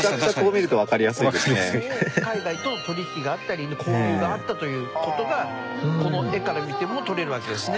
ですからこの頃にはもう海外との取引があったり交流があったという事がこの絵から見ても取れるわけですね。